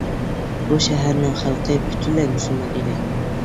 بۇ شەھەرنىڭ خەلقى پۈتۈنلەي مۇسۇلمان ئىدى.